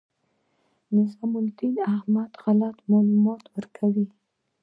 نظام الدین احمد غلط معلومات ورکوي.